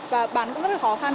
và bán cũng rất là khó khăn